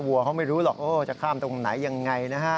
วัวเขาไม่รู้หรอกจะข้ามตรงไหนยังไงนะฮะ